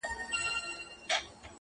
هغه لمرینه نجلۍ تور ته ست کوي!!